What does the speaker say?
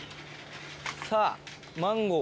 さあ、マンゴー。